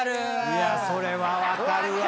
いやそれは分かるわ。